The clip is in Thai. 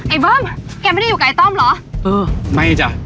เบิ้มแกไม่ได้อยู่กับไอ้ต้อมเหรอเออไม่จ้ะ